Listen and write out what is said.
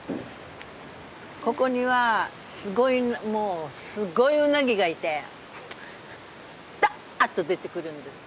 ここにはすごいもうすごいウナギがいてダーッと出てくるんですよ。